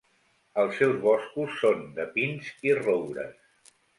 Els seus boscos són de pins i roures.